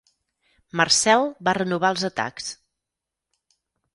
Marcel va renovar els atacs.